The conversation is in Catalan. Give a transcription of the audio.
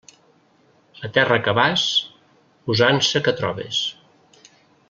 A terra que vas, usança que trobes.